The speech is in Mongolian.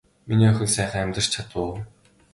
Миний охин сайхан амарч чадав уу.